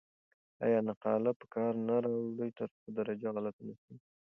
آیا نقاله په کار نه راوړئ ترڅو درجه غلطه نه سی؟